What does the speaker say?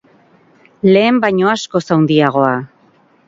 Lehen baino askoz handiagoa.